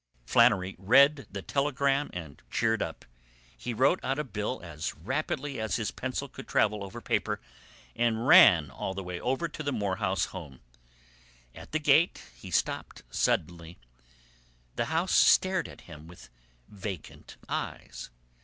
Flannery read the telegram and cheered up. He wrote out a bill as rapidly as his pencil could travel over paper and ran all the way to the Morehouse home. At the gate he stopped suddenly. The house stared at him with vacant eyes.